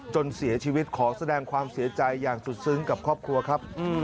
จนเสียชีวิตขอแสดงความเสียใจอย่างสุดซึ้งกับครอบครัวครับ